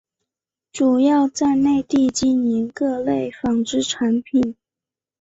主要在内地经营各类纺织产品。